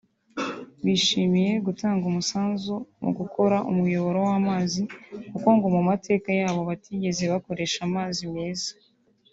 Bishimiye gutanga umusanzu mu gukora umuyoboro w’amazi kuko ngo mu mateka yabo batigeze bakoresha amazi meza